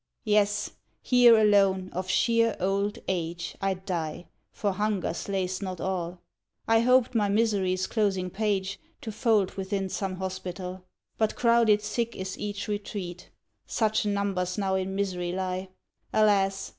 Yes! here, alone, of sheer old age I die; for hunger slays not all. I hoped my misery's closing page To fold within some hospital; But crowded thick is each retreat, Such numbers now in misery lie. Alas!